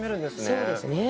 そうですね。